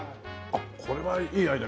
これはいいアイデア。